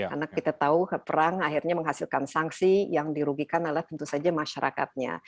karena kita tahu perang akhirnya menghasilkan sanksi yang dirugikan adalah tentu saja masyarakatnya